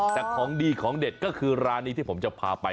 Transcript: แต่ของดีของเด็ดก็คือร้านนี้ที่ผมจะพาไป